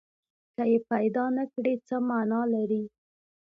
که یې پیدا نه کړي، څه معنی لري؟